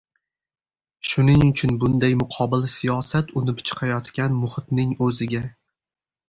Shuning uchun bunday muqobil siyosat unib chiqayotgan muhitning o‘ziga